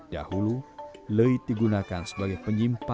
dahulu lewit digunakan sebagai penyelenggaraan